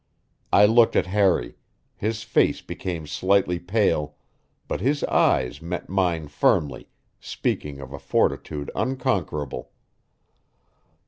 I looked at Harry; his face became slightly pale, but his eyes met mine firmly, speaking of a fortitude unconquerable.